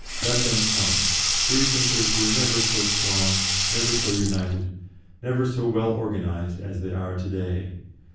Let them come. Free thinkers were never so strong, never so united, never so well organised as they are to day.